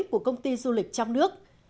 của công ty du lịch trong nước